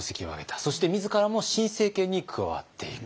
そして自らも新政権に加わっていく。